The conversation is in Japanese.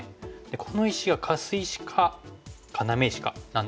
この石がカス石か要石かなんですけれども。